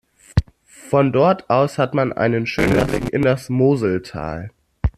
Von dort aus hat man einen schönen Blick in das Moseltal.